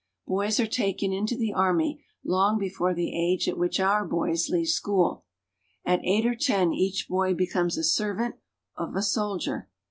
Boys are taken into the army long before the age at which our boys leave school. At eight or ten each boy becomes a servant of a soldier.